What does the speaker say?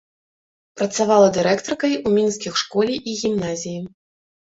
Працавала дырэктаркай у мінскіх школе і гімназіі.